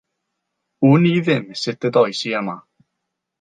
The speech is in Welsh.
Wn i ddim sut y dois i yma.